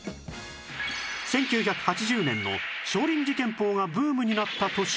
１９８０年の少林寺拳法がブームになった年には